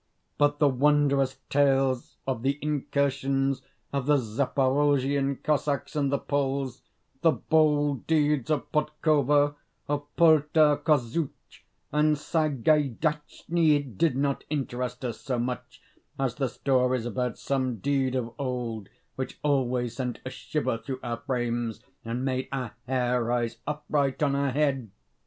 But the wondrous tales of the incursions of the Zaporozhian Cossacks and the Poles, the bold deeds of Podkova, of Poltar Kozhukh, and Sagaidatchnii, did not interest us so much as the stories about some deed of old which always sent a shiver through our frames and made our hair rise upright on our heads.